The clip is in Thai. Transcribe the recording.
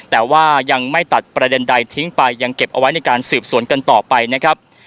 แต่ว่ายังไม่ตัดประเด็นใดทิ้งไปยังเก็บเอาไว้ในการสืบสวนกันต่อไปนะครับ